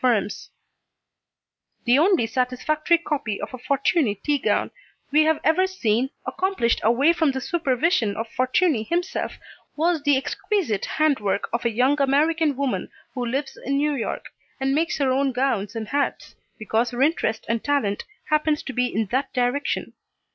[Illustration: Metropolitan Museum of Art Woman on Greek Vase] The only satisfactory copy of a Fortuny tea gown we have ever seen accomplished away from the supervision of Fortuny himself, was the exquisite hand work of a young American woman who lives in New York, and makes her own gowns and hats, because her interest and talent happen to be in that direction.